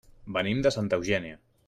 Venim de Santa Eugènia.